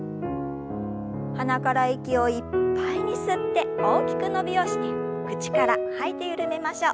鼻から息をいっぱいに吸って大きく伸びをして口から吐いて緩めましょう。